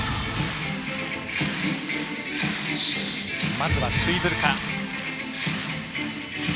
まずはツイズルから。